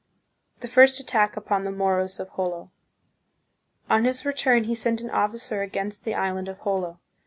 The First Attack upon the Moros of Jolo. On his re turn he sent an officer against the island of Jolo.